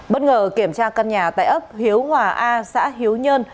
bất ngờ kiểm tra căn nhà tại ấp hiếu hòa a xã hiếu nhơn